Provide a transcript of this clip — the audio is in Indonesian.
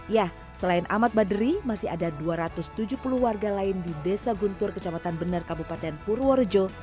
ya selain ahmad badri masih ada dua ratus tujuh puluh warga lain di desa guntur kecamatan benar kabupaten purworejo